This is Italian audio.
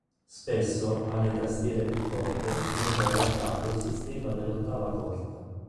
Spesso, alle tastiere più corte, veniva adattato il sistema dell'"ottava corta".